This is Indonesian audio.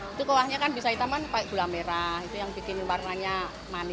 itu kuahnya kan bisa hitam kan baik gula merah itu yang bikin warnanya manis